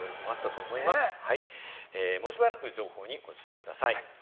もうしばらく情報にご注意ください。